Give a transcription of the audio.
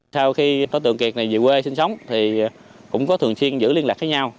sau khi đối tượng kiệt về quê sinh sống cũng có thường xuyên giữ liên lạc với nhau